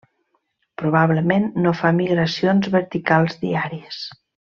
Probablement, no fa migracions verticals diàries.